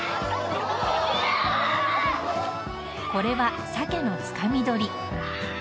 これはサケのつかみ取り。